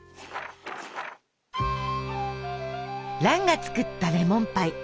蘭が作ったレモンパイ。